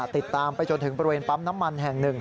ติดตามไปจนถึงบริเวณปั๊มน้ำมันแห่งหนึ่ง